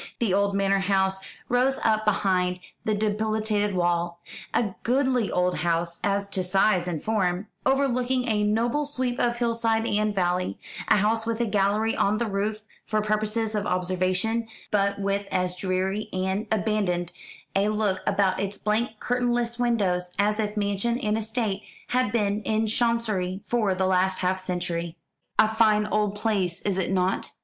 The old manor house rose up behind the dilapidated wall a goodly old house as to size and form overlooking a noble sweep of hillside and valley; a house with a gallery on the roof for purposes of observation, but with as dreary and abandoned a look about its blank curtainless windows as if mansion and estate had been in Chancery for the last half century. "A fine old place, is it not?"